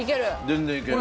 全然いける。